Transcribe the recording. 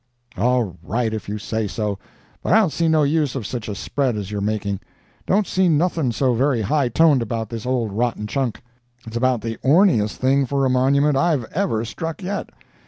"All right, if you say so; but I don't see no use of such a spread as you're making. I don't see nothing so very high toned about this old rotten chunk. It's about the orneryest thing for a monument I've ever struck yet.